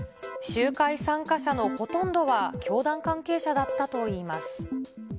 集会参加者のほとんどは教団関係者だったといいます。